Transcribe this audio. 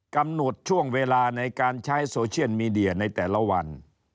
กำหนดช่วงเวลาในการใช้โซเชียลมีเดียในแต่ละวัน